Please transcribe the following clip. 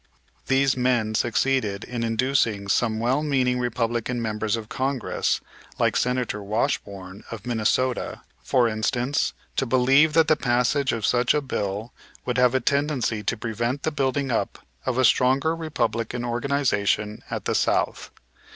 These men succeeded in inducing some well meaning Republican members of Congress, like Senator Washburne, of Minnesota, for instance, to believe that the passage of such a bill would have a tendency to prevent the building up of a strong Republican organization at the South.